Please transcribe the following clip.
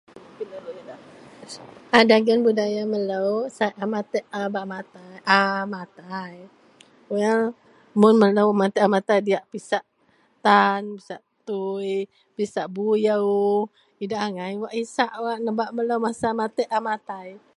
A dagen budaya melo sai matek a bak a matai mun melo matek a matai diyak pisak tan pisak tui pisak buyou idak angai wak isak wak nebak masa matek a matai.